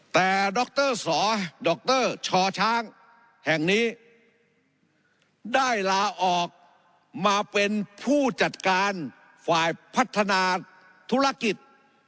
แต่ดรสอดรชช้างแห่งนี้ได้ลาออกมาเป็นผู้จัดการฝ่ายพัฒนาธุรกิจ